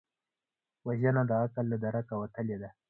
وژنه د عقل له درکه وتلې ده